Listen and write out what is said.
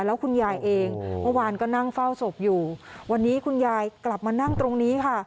แล้วคุณยายเองเมื่อวานก็นั่งเฝ้าศพอยู่วันนี้คุณยายกลับมานั่งตรงนี้ค่ะ